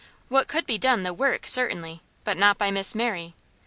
What could be done The WORK, certainly, but not by Miss Mary.